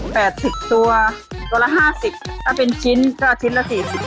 ๘๐ตัวตัวละ๕๐ถ้าเป็นชิ้นก็ชิ้นละ๔๐